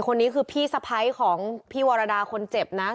คนนี้คือพี่สะพ้ายของพี่วรดาคนเจ็บนะ